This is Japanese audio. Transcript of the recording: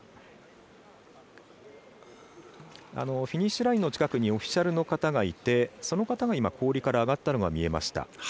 フィニッシュラインの近くにオフィシャルの方がいてその方が氷から上がったのが見えました。